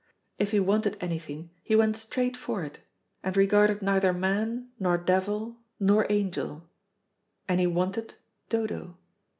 If he wanted anything he went straight for it, and regarded neither man, nor devil, nor angel; and he wanted Dodo.